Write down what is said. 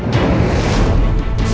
mas rasha tunggu